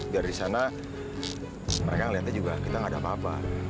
biar di sana mereka ngeliatnya juga kita gak ada apa apa